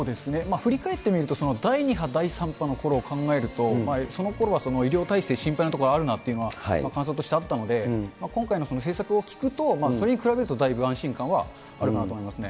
振り返ってみると、その第２波、第３波のころを考えると、そのころは医療体制、心配なところがあるなっていうところは、感想としてあったので、今回の政策を聞くと、それに比べるとだいぶ安心感はあるなと思いますね。